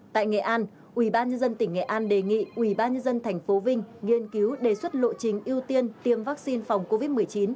tại nghệ an ubnd tỉnh nghệ an đề nghị ubnd tp vinh nghiên cứu đề xuất lộ trình ưu tiên tiêm vaccine phòng covid một mươi chín